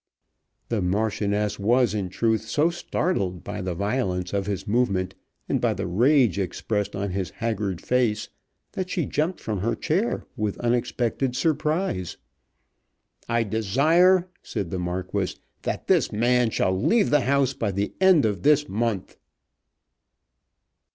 The Marchioness was in truth so startled by the violence of his movement, and by the rage expressed on his haggard face, that she jumped from her chair with unexpected surprise. "I desire," said the Marquis, "that that man shall leave the house by the end of this month."